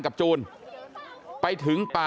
กลับไปลองกลับ